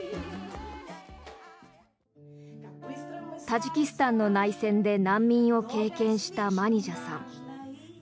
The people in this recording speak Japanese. タジキスタンの内戦で難民を経験したマニジャさん。